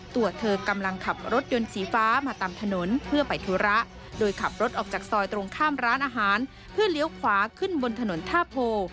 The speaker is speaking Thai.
ตัวเธอกำลังขับรถยนต์สีฟ้ามาตามถนนเพื่อไปธุระโดยขับรถออกจากซอยตรงข้ามร้านอาหารเพื่อเลี้ยวขวาขึ้นบนถนนท่าโพ